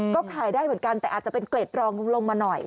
ก็ขายได้เหมือนกันแต่อาจจะเป็นเกร็ดรองลงมาหน่อย